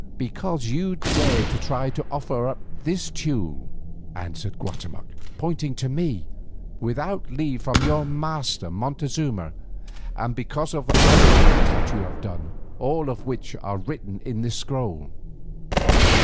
"Because you dared to try to offer up this Teule," answered Guatemoc, pointing to me, "without leave from your master Montezuma, and because of the other evils that you have done, all of which are written in this scroll.